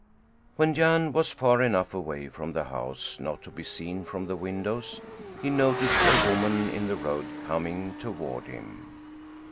When Jan was far enough away from the house not to be seen from the windows he noticed a woman in the road coming toward him.